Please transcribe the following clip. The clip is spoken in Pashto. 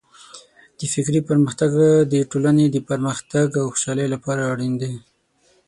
د فکري پرمختګ د ټولنې د پرمختګ او خوشحالۍ لپاره اړین دی.